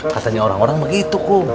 katanya orang orang begitu kok